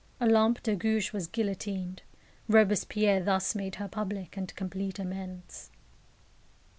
Olympe de Gouges was guillotined. Robespierre thus made her public and complete amends.